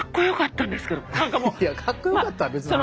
いや「かっこよかった」は別の話や。